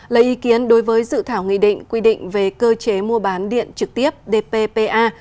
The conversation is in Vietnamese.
bởi ý kiến đối với dự thảo nghị định quy định về cơ chế mua bán điện trực tiếp dpp a